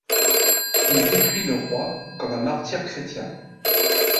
Il décrit le roi comme un martyr chrétien.